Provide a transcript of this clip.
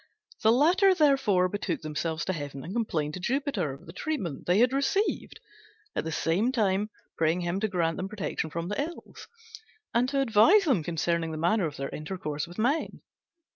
The latter, therefore, betook themselves to heaven and complained to Jupiter of the treatment they had received, at the same time praying him to grant them protection from the Ills, and to advise them concerning the manner of their intercourse with men.